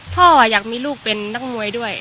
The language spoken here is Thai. พ่ออยากมีลูกเป็นนักมวยด้วย